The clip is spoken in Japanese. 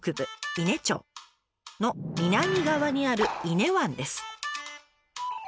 伊根町の南側にある伊根湾です。